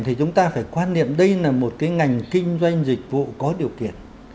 thì chúng ta phải quan niệm đây là một cái ngành kinh doanh dịch vụ có điều kiện